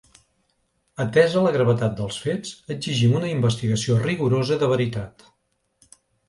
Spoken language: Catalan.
Atesa la gravetat dels fets, exigim una investigació rigorosa de veritat.